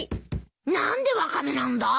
何でワカメなんだ？